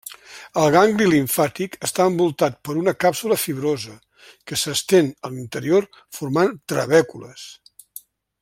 El gangli limfàtic està envoltat per una càpsula fibrosa, que s'estén a l'interior formant trabècules.